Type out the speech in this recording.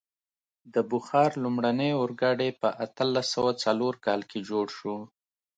د بخار لومړنی اورګاډی په اتلس سوه څلور کال کې جوړ شو.